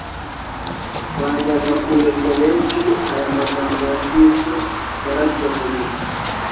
Bajyaga kuyobya benshi. Aya magambo ya Kristo yarasohoye.